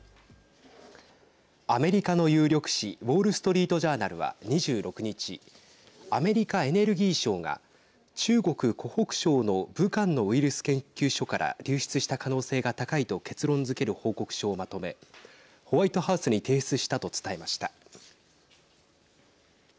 アメリカの有力紙ウォール・ストリート・ジャーナルは２６日アメリカ・エネルギー省が中国湖北省の武漢のウイルス研究所から流出した可能性が高いと結論づける報告書をまとめホワイトハウスに提出したと伝えました。